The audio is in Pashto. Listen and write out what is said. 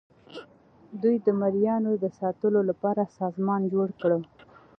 دوی د مرئیانو د ساتلو لپاره سازمان جوړ کړ.